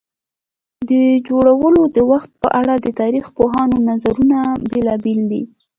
د جوړولو د وخت په اړه د تاریخ پوهانو نظرونه بېلابېل دي.